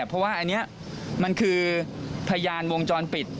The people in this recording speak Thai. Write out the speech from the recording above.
เพราะว่าอันนี้มันคือพยานวงจรปิด